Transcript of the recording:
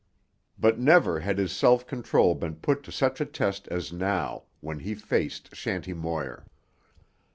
But never had his self control been put to such a test as now, when he faced Shanty Moir.